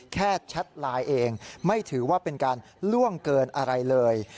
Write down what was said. แชทไลน์เองไม่ถือว่าเป็นการล่วงเกินอะไรเลย